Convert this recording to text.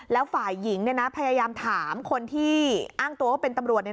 แล้วฝ่ายหญิงพยายามถามคนที่อ้างตัวว่าเป็นตำรวจ